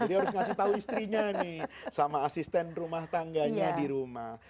jadi harus ngasih tau istrinya nih sama asisten rumah tangganya di rumah